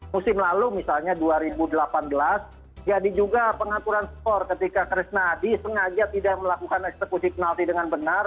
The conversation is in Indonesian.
musim lalu misalnya dua ribu delapan belas jadi juga pengaturan skor ketika krishnadi sengaja tidak melakukan eksekusi penalti dengan benar